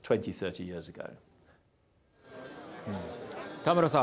田村さん。